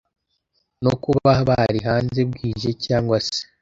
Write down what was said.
no kuba bari hanze bwije cyangwa se.